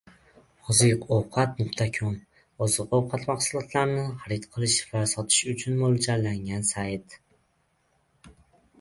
Oziqovqat.com - oziq-ovqat mahsulotlarini xarid qilish va sotish uchun mo‘ljallangan sayt.